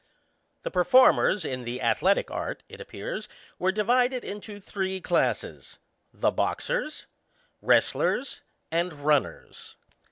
The performers in the athletic arty it appears were divided into three classes: ŌĆö The boxers, wrest lers, and RUNNERS.